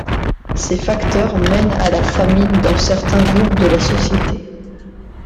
Ces facteurs mènent à la famine dans certains groupes de la société.